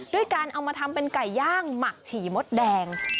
ด้วยการเอามาทำเป็นไก่ย่างหมักฉี่มดแดง